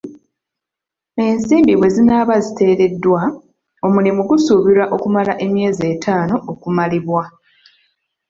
Ensimbi bwe zinaaba ziteereddwa, omulimu gusuubirwa okumala emyezi etaano okumalibwa